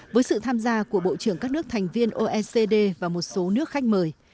với sự tham gia của bộ trưởng các nước thành viên oecd và một số nước khách mời